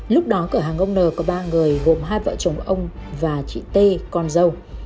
lúc đó cửa hàng ông n có ba người gồm hai vợ chồng ông và chị t con dâu